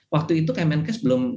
waktu itu kemenkes belum